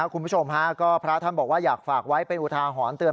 คุณผู้ชมพระอาทับบอกว่าอยากฝากไว้เป็นอุทาหอนเตือน